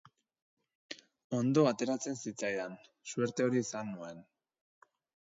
Ondo ateratzen zitzaidan, suerte hori izan nuen.